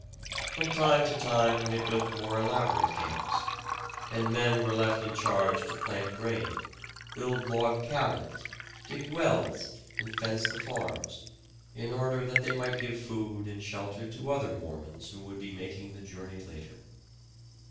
From time to time they built more elaborate camps, and men were left in charge to plant grain, build log cabins, dig wells, and fence the farms, in order that they might give food and shelter to other Mormons who would be making the journey later.